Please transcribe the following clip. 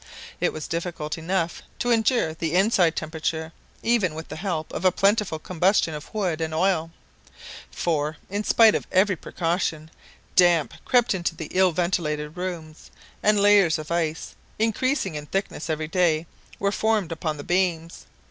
It was difficult enough to endure the inside temperature, even with the help of a plentiful combustion of wood and oil; for, in spite of every precaution, damp crept into the ill ventilated rooms, and layers of ice, increasing in thickness every day, were formed upon the beams.